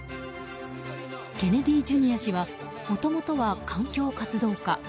ケネディ・ジュニア氏はもともとは環境活動家。